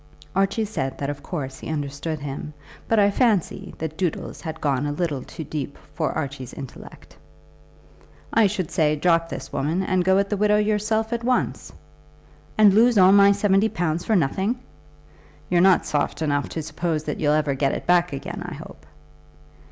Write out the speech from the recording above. Archie said that of course he understood him; but I fancy that Doodles had gone a little too deep for Archie's intellect. "I should say, drop this woman, and go at the widow yourself at once." "And lose all my seventy pounds for nothing!" "You're not soft enough to suppose that you'll ever get it back again, I hope?"